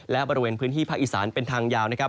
และพื้นที่ภาคอีกศาลเป็นทางยาว